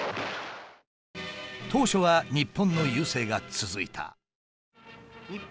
当初は日本の優勢が続いた。